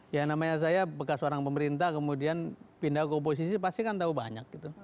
ya namanya saya bekas orang pemerintah kemudian pindah ke oposisi pasti kan tahu banyak gitu